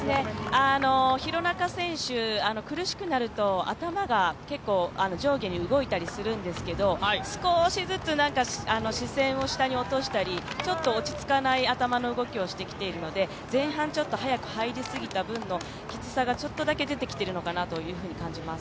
廣中選手、苦しくなると頭が結構上下に動いたりするんですけど、少しずつ、視線を下に落としたりちょっと落ち着かない頭の動きをしてきているので、前半、ちょっと早く入りすぎた分のきつさがちょっとだけ出てきているのかなと感じます。